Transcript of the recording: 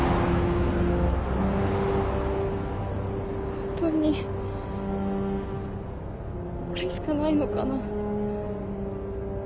ホントにこれしかないのかな？